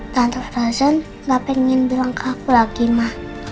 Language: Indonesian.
tante frozen gak pengen bilang ke aku lagi ma